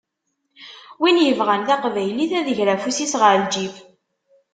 Win yebɣan taqbaylit ad iger afus-is ɣer lǧib.